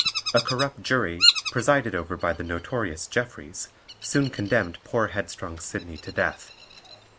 A corrupt jury, presided over by the notorious Jeffreys, soon condemned poor headstrong Sidney to death.